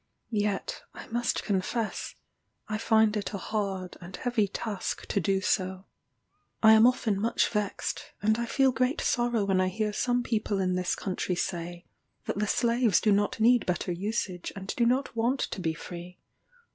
Yet, I must confess, I find it a hard and heavy task to do so. I am often much vexed, and I feel great sorrow when I hear some people in this country say, that the slaves do not need better usage, and do not want to be free.